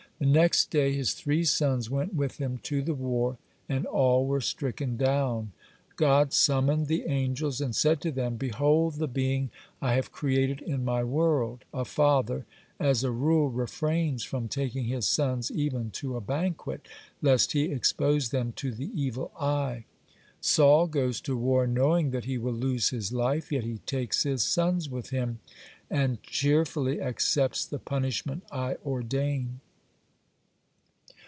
The next day his three sons went with him to the war, and all were stricken down. God summoned the angels and said to them: "Behold the being I have created in my world. A father as a rule refrains from taking his sons even to a banquet, lest he expose them to the evil eye. Saul goes to war knowing that he will lose his life, yet he takes his sons with him, and cheerfully accepts the punishment I ordain."